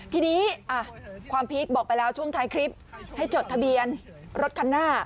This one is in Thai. ทีนี้ความพีคบอกไปแล้วช่วงท้ายคลิปให้จดทะเบียนรถคันหน้า